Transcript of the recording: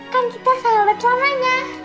kan kita sahabat selamanya